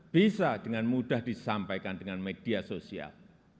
bisa dengan mudah disampaikan dengan media sosial